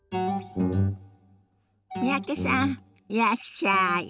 三宅さんいらっしゃい。